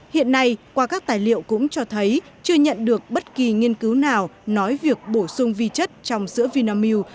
hiện nay qua các tài liệu cũng cho thấy chưa nhận được bất kỳ nghiên cứu nào nói việc bổ sung vi chất trong sữa vinamilk